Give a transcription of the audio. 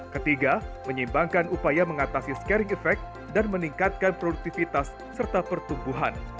ketiga menyimbangkan upaya mengatasi scaring effect dan meningkatkan produktivitas serta pertumbuhan